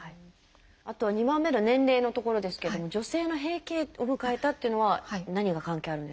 あとは２番目の年齢のところですけども女性の「閉経を迎えた」というのは何が関係あるんですか？